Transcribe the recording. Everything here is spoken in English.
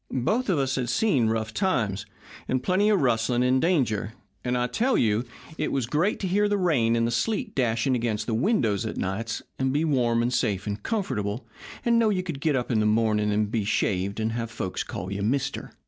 Both of us had seen rough times and plenty of rustling and danger, and I tell you it was great to hear the rain and the sleet dashing against the windows of nights, and be warm and safe and comfortable, and know you could get up in the morning and be shaved and have folks call you 'mister.'